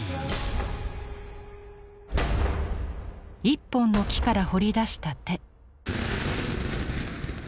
一本の木から彫り出した手。